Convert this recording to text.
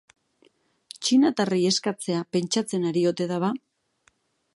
Txinatarrei eskatzea pentsatzen ari ote da ba?